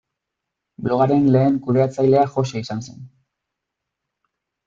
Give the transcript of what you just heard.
Blogaren lehen kudeatzailea Jose izan zen.